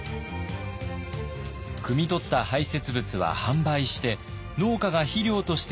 くみ取った排せつ物は販売して農家が肥料として利用する仕組みです。